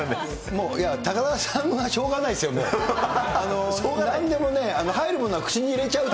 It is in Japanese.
もう、高田さんはしょうがないですよ、もう。